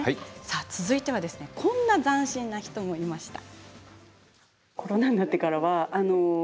続いてはこんな斬新な人もいました。